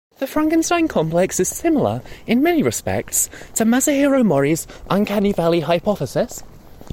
The "Frankenstein Complex" is similar in many respects to Masahiro Mori's uncanny valley hypothesis.